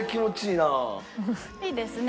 いいですね。